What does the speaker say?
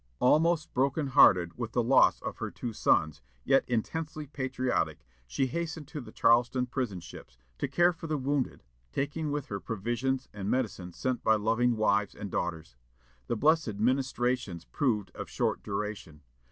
Almost broken hearted with the loss of her two sons, yet intensely patriotic, she hastened to the Charleston prison ships, to care for the wounded, taking with her provisions and medicine sent by loving wives and daughters. The blessed ministrations proved of short duration.